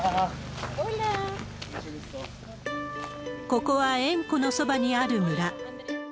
ここは塩湖のそばにある村。